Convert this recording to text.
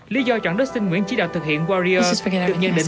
lý do chọn dustin nguyễn chỉ đạo thực hiện warrior được nhận định